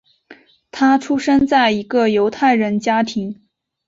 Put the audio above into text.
他出生在一个犹太人家庭。